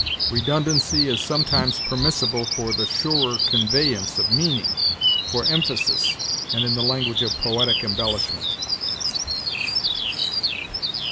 Redundancy is sometimes permissible for the surer conveyance of meaning, for emphasis, and in the language of poetic embellishment.